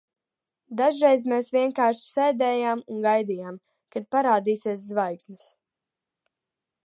Dažreiz mēs vienkārši sēdējām un gaidījām, kad parādīsies zvaigznes.